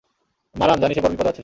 মারান, জানি সে বড় বিপদে আছে।